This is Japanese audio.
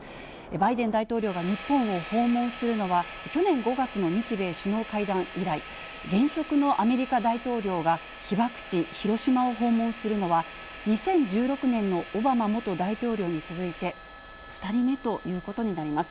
バイデン大統領が日本を訪問するのは、去年５月の日米首脳会談以来、現職のアメリカ大統領が被爆地、広島を訪問するのは、２０１６年のオバマ元大統領に続いて２人目ということになります。